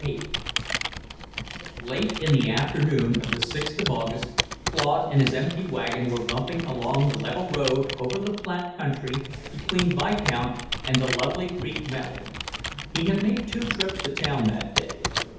VIII Late in the afternoon of the sixth of August, Claude and his empty wagon were bumping along the level road over the flat country between Vicount and the Lovely Creek valley. He had made two trips to town that day.